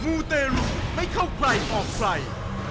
มูเตรุไม่เข้าใครออกใคร